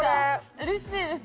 うれしいです！